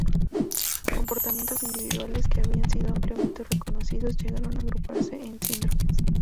Comportamientos individuales que habían sido ampliamente reconocidos llegaron a agruparse en síndromes.